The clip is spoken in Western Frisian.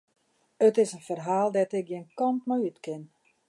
It is in ferhaal dêr't ik gjin kant mei út kin.